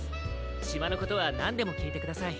しまのことはなんでもきいてください。